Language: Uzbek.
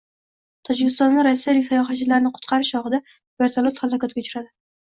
Tojikistonda rossiyalik sayohatchilarni qutqarish chog‘ida vertolyot halokatga uchradi